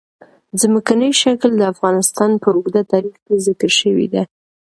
ځمکنی شکل د افغانستان په اوږده تاریخ کې ذکر شوې ده.